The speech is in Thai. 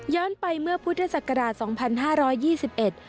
ย้อนไปเมื่อพุทธศักราช๒๕๒๑